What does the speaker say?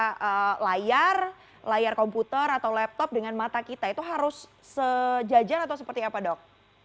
karena layar layar komputer atau laptop dengan mata kita itu harus sejajar atau seperti apa dok